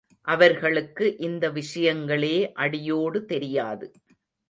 அவர்களுக்கு இந்த விஷயங்களே அடியோடு தெரியாது.